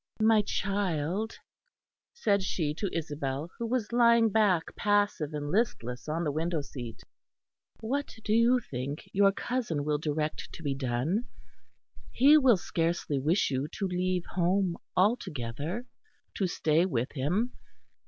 "My child," said she to Isabel, who was lying back passive and listless on the window seat. "What do you think your cousin will direct to be done? He will scarcely wish you to leave home altogether, to stay with him.